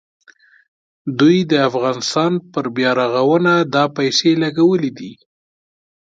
دوی د افغانستان پر بیارغونه دا پیسې لګولې دي.